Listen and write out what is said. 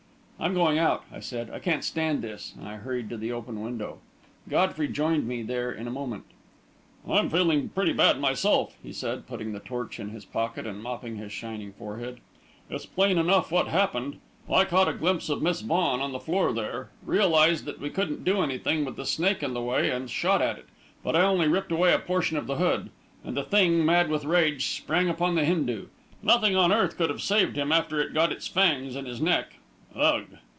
"I'm going out," I said. "I can't stand this!" and I hurried to the open window. Godfrey joined me there in a moment. "I'm feeling pretty bad myself," he said, putting the torch in his pocket and mopping his shining forehead. "It's plain enough what happened. I caught a glimpse of Miss Vaughan on the floor there, realised that we couldn't do anything with the snake in the way, and shot at it, but I only ripped away a portion of the hood, and the thing, mad with rage, sprang upon the Hindu. Nothing on earth could have saved him after it got its fangs in his neck. Ugh!"